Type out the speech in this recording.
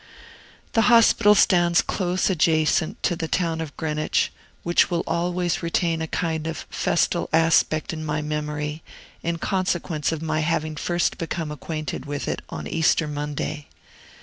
The hospital stands close adjacent to the town of Greenwich, which will always retain a kind of festal aspect in my memory, in consequence of my having first become acquainted with it on Easter Monday.